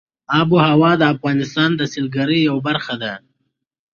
آب وهوا د افغانستان د سیلګرۍ یوه برخه ده.